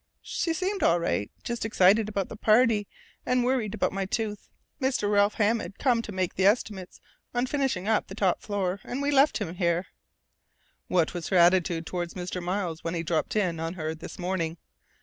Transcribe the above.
"She seemed all right just excited about the party and worried about my tooth. Mr. Ralph Hammond come to make the estimates on finishing up the top floor, and we left him here " "What was her attitude toward Mr. Miles when he dropped in on her this morning?"